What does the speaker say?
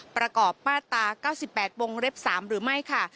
ประกอบมาตรา๙๘วงเล็บ๓หรือไม่ค่ะ